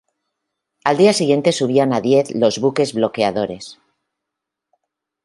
Al día siguiente subían a diez los buques bloqueadores.